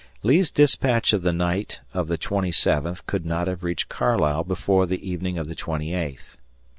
Lee's dispatch of the night of the twenty seventh could not have reached Carlisle before the evening of the twenty eighth.